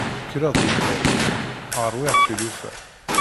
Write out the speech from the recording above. Kkreɣ-d deg lḥif ṛwiɣ tilufa.